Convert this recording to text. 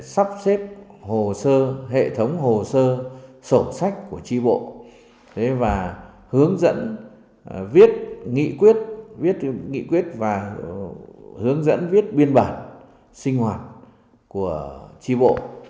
sắp xếp hồ sơ hệ thống hồ sơ sổ sách của tri bộ và hướng dẫn viết nghị quyết viết nghị quyết và hướng dẫn viết biên bản sinh hoạt của tri bộ